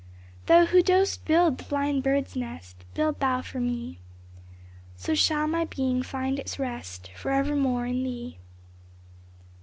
Thou who dost build the blind bird's nest Build Thou for me ; So shall my being find its rest Forevermore in Thee.